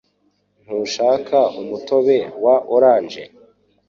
Ntushaka umutobe wa orange?